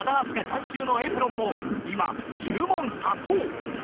監修のエプロンも今注文殺到！